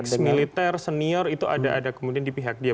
eks militer senior itu ada ada kemudian di pihak dia